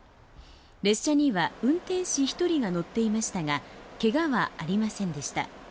列車には運転士１人が乗っていましたが怪我はありませんでした。